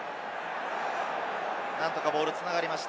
何とかボールがつながりました。